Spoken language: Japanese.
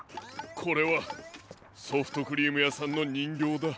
これはソフトクリームやさんのにんぎょうだ。